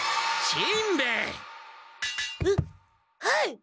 はい！